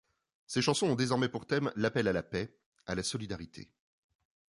Ses chansons ont désormais pour thème, l'appel à la paix, à la solidarité.